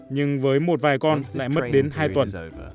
nhưng với một vài con lại mất đến hai tuần